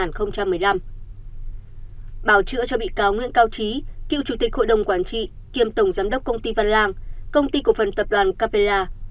bảo chữa cho bị cáo nguyễn cao trí cựu chủ tịch hội đồng quản trị kiêm tổng giám đốc công ty văn lang công ty cổ phần tập đoàn capella